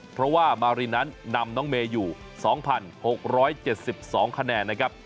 เพราะว่ามารินนั้นนำน้องเมย์อยู่๒๖๗๒คะแนนนะครับ